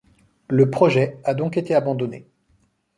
Le projet a donc été abandonné.